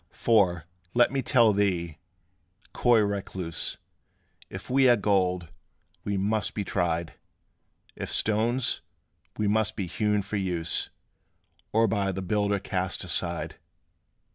For, let me tell thee, coy recluse, If we are gold, we must be tried; If stones, we must be hewn for use, Or by the builder cast aside.